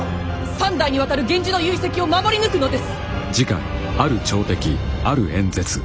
三代にわたる源氏の遺跡を守り抜くのです。